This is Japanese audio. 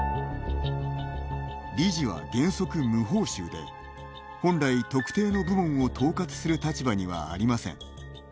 理事は、原則無報酬で本来、特定の部門を統括する立場にはありません。